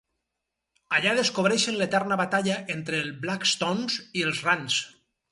Allà descobreixen l'eterna batalla entre els Blackstones i els Rands.